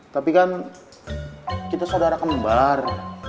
tapi kan kita saudara kembar